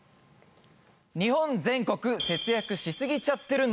日本全国節約しすぎちゃってる